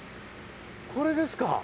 これですか。